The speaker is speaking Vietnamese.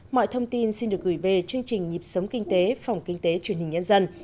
mọi thông tin xin được gửi về chương trình nhịp sống kinh tế phòng kinh tế truyền hình nhân dân